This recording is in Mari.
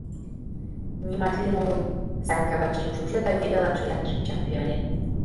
— Нимат лийын огыл, — Санька вачыжым шупшыльо да Федялан чоян шинчам пӱяле.